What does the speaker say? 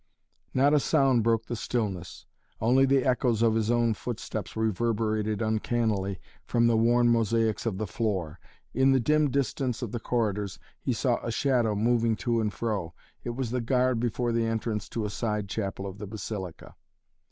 Not a sound broke the stillness. Only the echoes of his own footsteps reverberated uncannily from the worn mosaics of the floor. In the dim distance of the corridors he saw a shadow moving to and fro. It was the guard before the entrance to a side chapel of the Basilica.